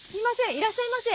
いらっしゃいませ。